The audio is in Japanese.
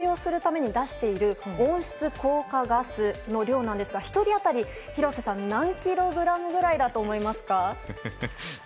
私たちが１年間に普通に食事をするために出している温室効果ガスの量なんですが１人当たり、廣瀬さん何キログラムくらいだと思いますか？